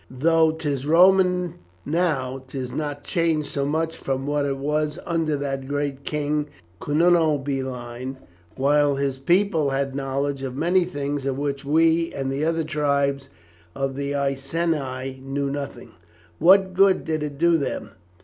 Though 'tis Roman now 'tis not changed so much from what it was under that great king Cunobeline, while his people had knowledge of many things of which we and the other tribes of the Iceni knew nothing." "What good did it do them?"